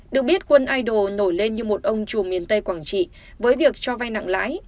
được biết quân idol nổi lên như một ông chùa miền tây quảng trị với việc cho vai nặng lãi